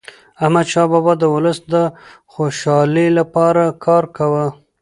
احمدشاه بابا د ولس د خوشحالیلپاره کار کاوه.